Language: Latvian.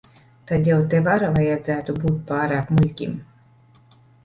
Tad jau tev ar vajadzētu būt pārāk muļķim.